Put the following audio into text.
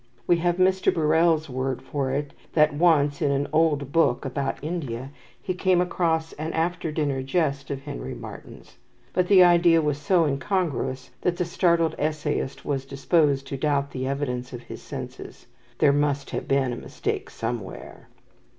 We have Mr. Birrell's word for it that once, in an old book about India, he came across an after dinner jest of Henry Martyn's; but the idea was so incongruous that the startled essayist was disposed to doubt the evidence of his senses. "There must have been a mistake somewhere."